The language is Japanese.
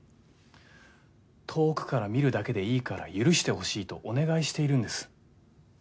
遠くから見るだけでいいから許してほしいとお願いしているんです。